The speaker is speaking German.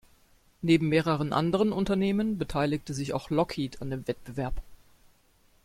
Neben mehreren anderen Unternehmen beteiligte sich auch Lockheed an dem Wettbewerb.